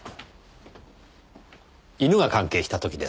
犬が関係した時です。